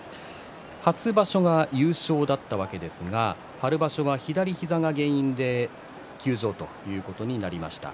初場所が優勝だったわけですが春場所は左膝が原因で休場ということになりました。